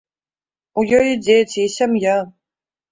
У ёй і дзеці, і сям'я.